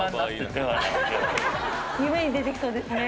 夢に出てきそうですね。